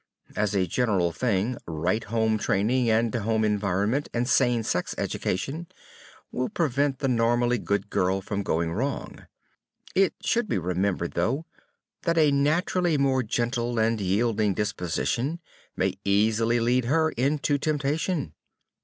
As a general thing, right home training and home environment, and sane sex education will prevent the normally good girl from going wrong. It should be remembered, though, that a naturally more gentle and yielding disposition may easily lead her into temptation.